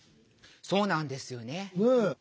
そうなんですよね。